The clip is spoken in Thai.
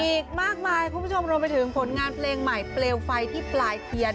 อีกมากมายคุณผู้ชมรวมไปถึงผลงานเพลงใหม่เปลวไฟที่ปลายเทียน